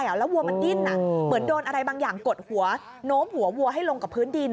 แล้ววัวมันดิ้นเหมือนโดนอะไรบางอย่างกดหัวโน้มหัววัวให้ลงกับพื้นดิน